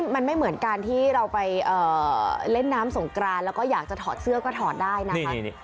มันไม่เหมือนการที่เราไปเล่นน้ำสงกรานแล้วก็อยากจะถอดเสื้อก็ถอดได้นะคะ